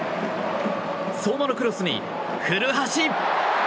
相馬のクロスに古橋！